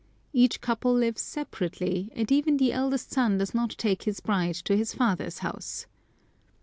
Each couple lives separately, and even the eldest son does not take his bride to his father's house.